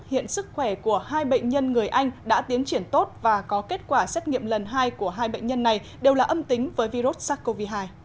hiện sức khỏe của hai bệnh nhân người anh đã tiến triển tốt và có kết quả xét nghiệm lần hai của hai bệnh nhân này đều là âm tính với virus sars cov hai